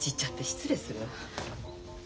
失礼するわ。